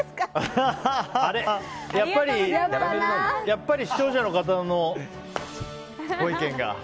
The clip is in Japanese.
やっぱり視聴者の方のご意見が。